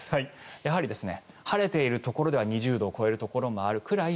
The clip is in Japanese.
やはり晴れているところでは２０度を超えているところもあるくらい